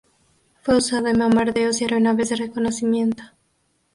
Fue usado en bombarderos y aeronaves de reconocimiento.